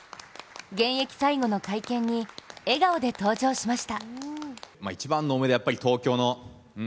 現役最後の会見に笑顔で登場しました。